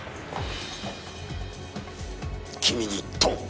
君に問う。